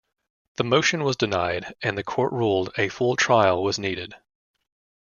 The motion was denied, and the court ruled a full trial was needed.